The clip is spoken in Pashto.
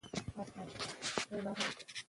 که فعل وي نو حرکت نه ورکېږي.